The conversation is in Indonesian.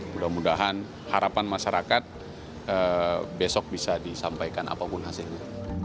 mudah mudahan harapan masyarakat besok bisa disampaikan apapun hasilnya